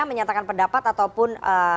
menyatakan pendapat ataupun